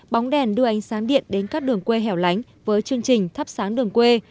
bóng đèn đưa ánh sáng điện đến các đường quê hẻo lánh với chương trình thắp sáng đường quê